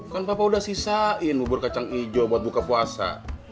kan papa udah sisain bubur kacang hijau buat buka puasa